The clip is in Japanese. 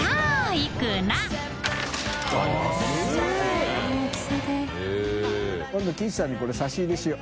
Ｅ貴一さんにこれ差し入れしよう。